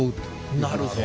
なるほど。